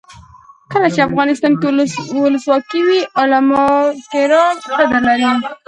کله چې افغانستان کې ولسواکي وي علما کرام قدر لري.